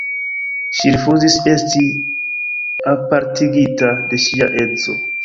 Ŝi rifuzis esti apartigita de ŝia edzo.